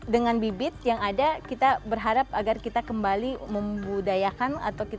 dengan bibit yang ada kita berharap agar kita kembali membudayakan